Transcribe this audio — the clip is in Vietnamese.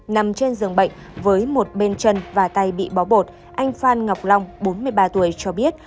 nằm trên giường bệnh với một bên chân và tay bị bó bột anh phan ngọc long bốn mươi ba tuổi cho biết